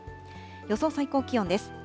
予想最高気温です。